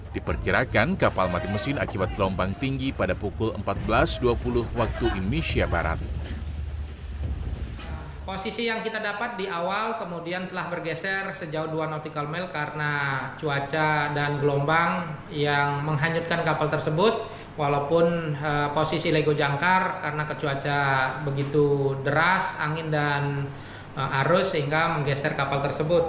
diperkirakan kapal mati mesin akibat gelombang tinggi pada pukul empat belas dua puluh waktu indonesia barat